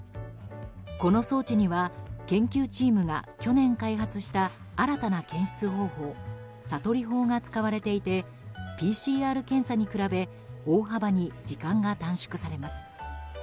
この装置には、研究チームが去年開発した新たな検出方法ＳＡＴＯＲＩ法が使われていてＰＣＲ検査に比べ大幅に時間が短縮されます。